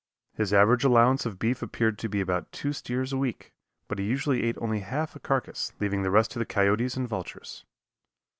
His average allowance of beef appeared to be about two steers a week, but he usually ate only half a carcass, leaving the rest to the coyotes and vultures.